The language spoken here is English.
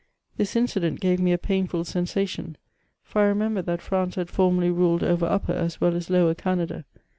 This incident gave me a painful sensation, for I re membered that France had formerly ruled over Upper as well as Lower Canada.